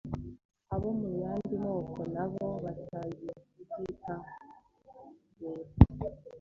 abo mu yandi moko na bo batangiye kubwitabira